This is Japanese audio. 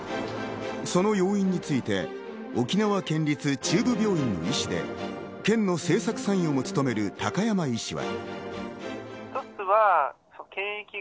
その要因について沖縄県立中部病院の医師で、県の政策参与も務める高山医師は。